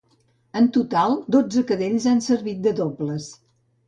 En total, dotze cadells han servit de dobles.